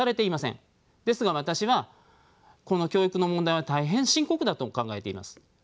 ですが私はこの教育の問題は大変深刻だと考えています。